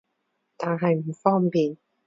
但係唔方便